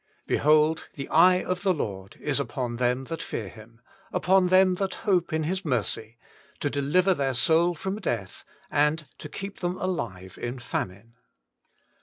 ' Behold, the eye of the Lord is apon them Uul fear Him, Upon them that hope in His mercy ; To deliver their soul from death, And to keep them alive in famine.